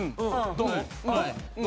どう？